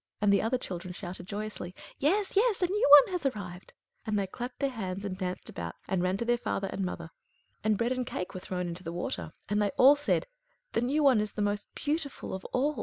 and the other children shouted joyously, "Yes, a new one has arrived!" And they clapped their hands and danced about, and ran to their father and mother; and bread and cake were thrown into the water; and they all said, "The new one is the most beautiful of all!